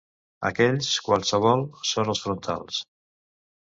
Aquells, qualssevol, són als frontals.